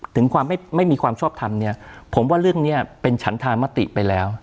ถึงความไม่มีความชอบทำเนี่ยผมว่าเรื่องนี้เป็นฉันธามติไปแล้ว